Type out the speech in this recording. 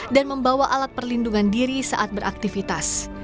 dan membawa alat perlindungan diri saat beraktivitas